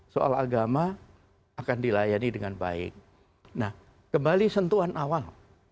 soal agama akan dilayani dengan baik nah kembali sentuhan awal